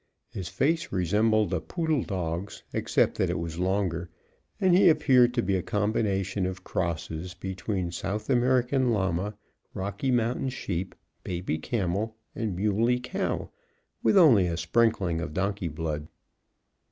His face resembled a poodle dog's, except that it was longer, and he appeared to be a combination of crosses between South American llama, Rocky Mountain sheep, baby camel, and muley cow, with only a sprinkling of donkey blood.